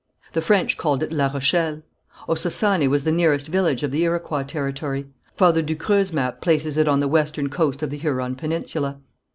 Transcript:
The French called it La Rochelle. Ossossané was the nearest village of the Iroquois territory. Father du Creux' map places it on the western coast of the Huron peninsula.